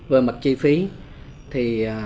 về mặt chi phí